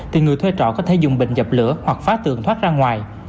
thì người thuê trọ có thể dùng bình dập lửa hoặc phá tường thoát ra ngoài